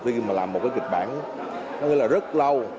khi mà làm một kịch bản rất lâu